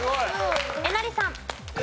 えなりさん。